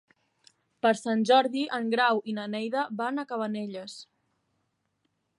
Per Sant Jordi en Grau i na Neida van a Cabanelles.